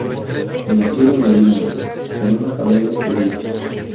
Nacido en Vilna en una familia judía.